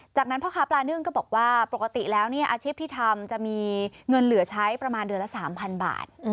จากนั้นพ่อค้าปลานึ่งก็บอกว่าปกติแล้วอาชีพที่ทำจะมีเงินเหลือใช้ประมาณเดือนละ๓๐๐บาท